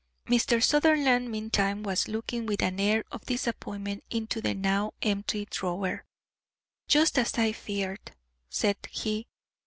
Mr. Sutherland, meantime, was looking with an air of disappointment into the now empty drawer. "Just as I feared," said he.